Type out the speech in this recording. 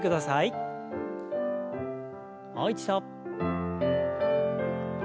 もう一度。